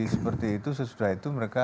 seperti itu sesudah itu mereka